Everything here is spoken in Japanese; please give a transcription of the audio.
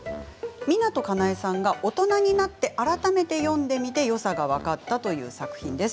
湊かなえさんが大人になって改めて読んでみてよさが分かったという作品です。